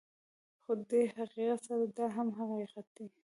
خو دې حقیقت سره دا هم حقیقت دی